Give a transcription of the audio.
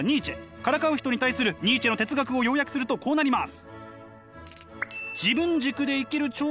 からかう人に対するニーチェの哲学を要約するとこうなります。